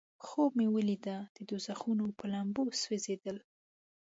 خوب مې لیده د دوزخونو په لمبو سوځیدل.